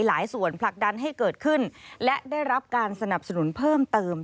หลายส่วนผลักดันให้เกิดขึ้นและได้รับการสนับสนุนเพิ่มเติม